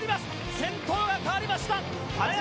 先頭が変わりました。